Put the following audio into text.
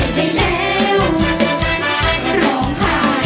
ไม่แน่หน่อย